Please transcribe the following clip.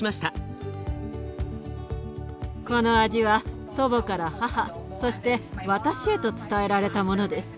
この味は祖母から母そして私へと伝えられたものです。